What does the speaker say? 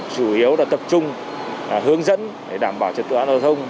chủ yếu là tập trung hướng dẫn để đảm bảo trật tựa an toàn thông